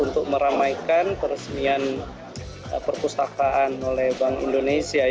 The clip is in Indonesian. untuk meramaikan peresmian perpustakaan oleh bank indonesia